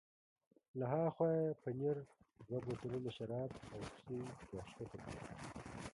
له ها خوا یې پنیر، دوه بوتلونه شراب او کوسۍ را کښته کړل.